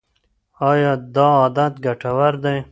ایا دا عادت ګټور دی؟